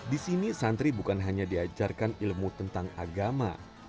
di sini santri bukan hanya diajarkan ilmu tentang agama